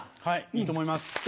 はいいいと思います。